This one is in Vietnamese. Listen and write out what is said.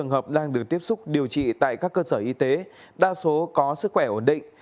tổng cộng đang được tiếp xúc điều trị tại các cơ sở y tế đa số có sức khỏe ổn định